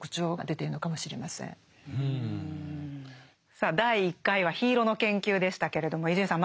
さあ第１回は「緋色の研究」でしたけれども伊集院さん